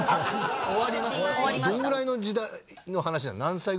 どのぐらいの時代の話なの？